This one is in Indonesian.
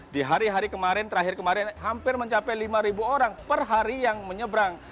di hari hari kemarin terakhir kemarin hampir mencapai lima orang per hari yang menyeberang